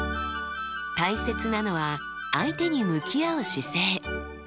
大切なのは相手に向き合う姿勢。